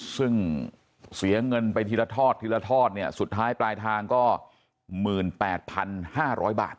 ซึ่งเสียเงินไปทีละทอดทีละทอดเนี่ยสุดท้ายปลายทางก็๑๘๕๐๐บาท